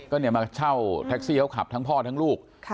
เขามาเช่าแท็กซี่ขาวขับทั้งพ่อทั้งลูก